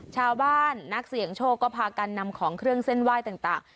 นักเสี่ยงโชคก็พากันนำของเครื่องเส้นไหว้ต่าง